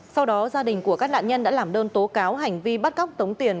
sau đó gia đình của các nạn nhân đã làm đơn tố cáo hành vi bắt cóc tống tiền